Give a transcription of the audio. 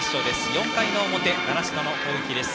４回の表、習志野の攻撃です。